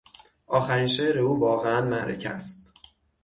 آخرین شعر او واقعا معرکه است.